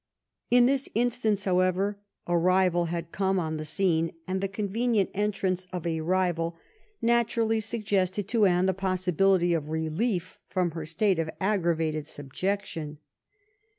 In this in stance, however, a rival had come on the scene, and the convenient entrance of a rival naturally suggested to Anne the possibility of relief from her state of aggravated subjection.